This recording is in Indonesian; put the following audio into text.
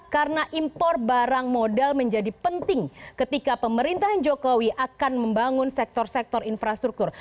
karena impor barang modal menjadi penting ketika pemerintahan jokowi akan membangun sektor sektor infrastruktur